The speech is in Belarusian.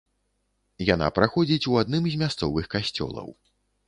Яна праходзіць у адным з мясцовых касцёлаў.